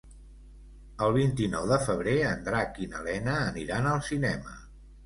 El vint-i-nou de febrer en Drac i na Lena aniran al cinema.